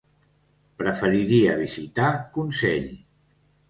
Preferiria visitar Consell.